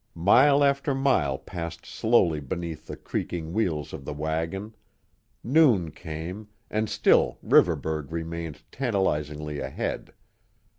Mile after mile passed slowly beneath the creaking wheels of the wagon; noon came, and still Riverburgh remained tantalizingly ahead.